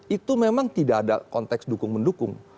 itu memang tidak ada konteks dukung mendukung